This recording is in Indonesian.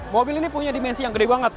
mobil ini punya dimensi yang gede banget